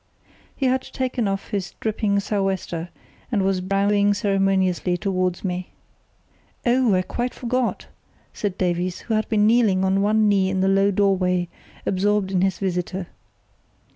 He had taken off his dripping sou' wester and was bowing ceremoniously towards me. "Oh, I quite forgot!" said Davies, who had been kneeling on one knee in the low doorway, absorbed in his visitor.